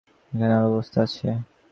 এখানে আলোর ব্যবস্থা আছে।